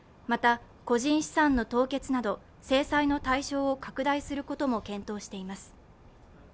また、個人資産の凍結など制裁の対象を拡大することも検討しています。